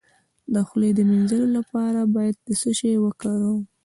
د خولې د مینځلو لپاره باید څه شی وکاروم؟